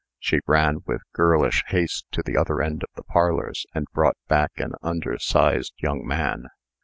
She ran with girlish haste to the other end of the parlors, and brought back an undersized young man.